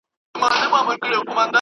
د بامیان مرکزي ښار بامیان دی.